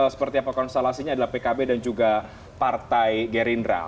seperti apa konstelasinya adalah pkb dan juga partai gerindra